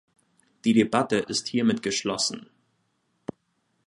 Die Debatte ist hiermit geschlossen.